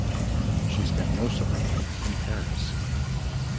She spent most of her life in Paris.